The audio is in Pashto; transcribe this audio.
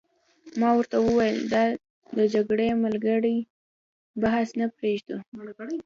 ما ورته وویل: دا د جګړې مګړې بحث به پرېږدو.